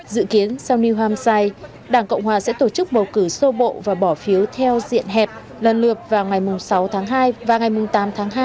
dự kiến sau new hampshire đảng cộng hòa sẽ tổ chức bầu cử sơ bộ và bỏ phiếu theo diện hẹp lần lượt vào ngày sáu tháng hai và ngày tám tháng hai